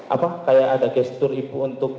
apa kayak ada gestur ibu untuk